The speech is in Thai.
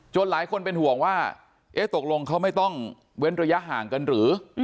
หลายคนเป็นห่วงว่าเอ๊ะตกลงเขาไม่ต้องเว้นระยะห่างกันหรือ